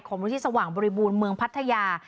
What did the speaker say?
ของบริษัทสว่างบริบูรณ์เมืองพัทยา